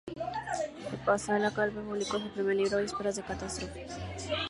Espasa-Calpe publicó su primer libro "Vísperas de catástrofe".